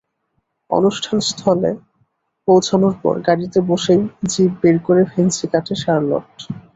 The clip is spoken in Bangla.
অনুষ্ঠানস্থলে পৌঁছানোর পর গাড়িতে বসেই জিব বের করে ভেংচি কাটে শার্লট।